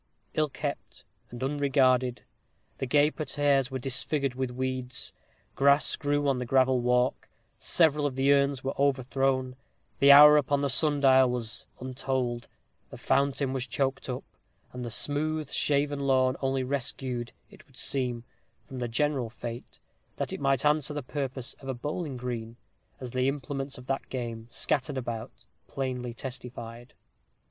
Ill kept, and unregarded, the gay parterres were disfigured with weeds; grass grew on the gravel walk; several of the urns were overthrown; the hour upon the dial was untold; the fountain was choked up, and the smooth shaven lawn only rescued, it would seem, from the general fate, that it might answer the purpose of a bowling green, as the implements of that game, scattered about, plainly testified.